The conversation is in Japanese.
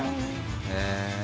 へえ！